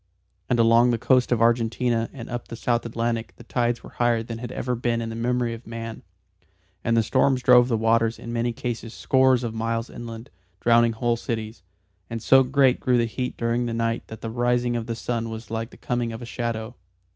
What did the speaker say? And along the coast of Argentina and up the South Atlantic the tides were higher than had ever been in the memory of man, and the storms drove the waters in many cases scores of miles inland, drowning whole cities. And so great grew the heat during the night that the rising of the sun was like the coming of a shadow.